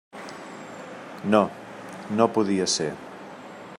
No, no podia ser.